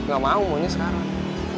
ga mau maunya sekarang